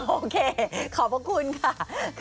โอเคขอบพระคุณค่ะ